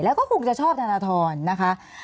แล้วก็คงจะชอบธนทรนะคะ